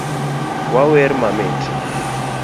wawer mamit